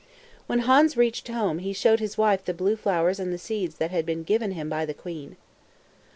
When Hans reached home, he showed his wife the blue flowers and the seeds that had been given him by the queen.